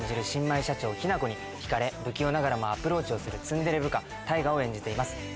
新米社長雛子に引かれ不器用ながらもアプローチをするツンデレ部下大牙を演じています。